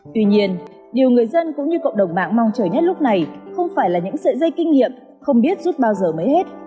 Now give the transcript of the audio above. tuy nhiên điều người dân cũng như cộng đồng mạng mong chờ nhất lúc này không phải là những sợi dây kinh nghiệm không biết rút bao giờ mới hết